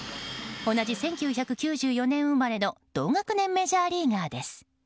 同じ１９９４年生まれの同学年メジャーリーガーです。